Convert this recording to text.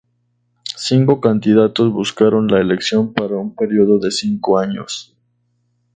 Cinco candidatos buscaron la elección para un período de cinco años.